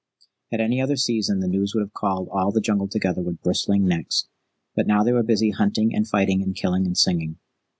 At any other season the news would have called all the Jungle together with bristling necks, but now they were busy hunting and fighting and killing and singing.